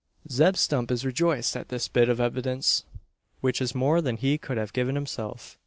Zeb Stump is rejoiced at this bit of evidence, which is more than he could have given himself.